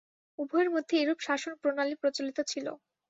উভয়ের মধ্যে এরূপ শাসনপ্রণালী প্রচলিত ছিল।